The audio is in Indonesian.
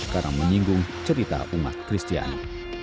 karena menyinggung cerita umat kristiani